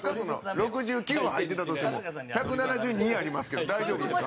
６９は入ってたとしても１７２ありますけど大丈夫ですか？